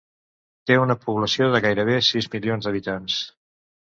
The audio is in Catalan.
Té una població de gairebé sis milions d'habitants.